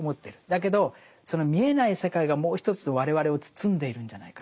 だけどその見えない世界がもう一つ我々を包んでいるんじゃないか。